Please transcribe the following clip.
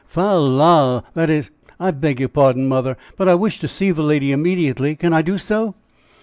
"Fal lal! that is I beg your pardon, Mother, but I wish to see the lady immediately. Can I do so?"